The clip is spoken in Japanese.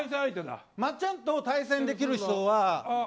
松ちゃんと対戦できる人は。